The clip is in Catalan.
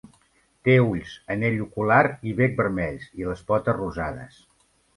Té ulls, anell ocular i bec vermells, i les potes rosades.